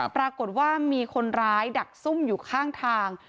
ปรากฏว่ามีคนร้ายดักซุ่มอยู่ข้างทาง